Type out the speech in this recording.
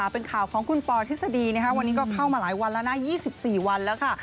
เป็นข่าวของคุณปอทฤษฎีวันนี้ก็เข้ามาหลายวันแล้วนะ๒๔วันแล้วค่ะ